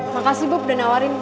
makasih bob udah nawarin